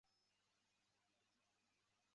鼠尾草叶荆芥为唇形科荆芥属下的一个种。